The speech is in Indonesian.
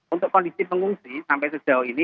untuk kondisi pengungsi sampai sejauh ini